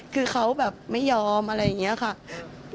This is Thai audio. คือเขาแบบไม่ยอมอะไรอย่างเงี้ยค่ะก็จะเอาแล้ว